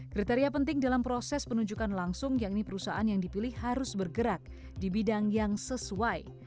kriteria penting dalam proses penunjukan langsung yakni perusahaan yang dipilih harus bergerak di bidang yang sesuai